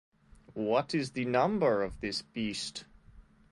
What is the number of this beast?